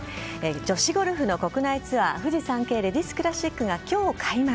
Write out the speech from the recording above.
女子ゴルフの国内ツアーフジサンケイレディスクラシックが今日開幕。